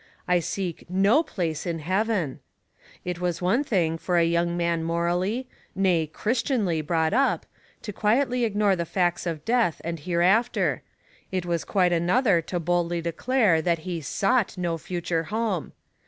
"I seek no place in heaven." It was one thing for a young man morally, nay, Christianly brought up, to quietly ignore the facts of death and hereafter ; it was quite another to boldly declare that he sought no future home.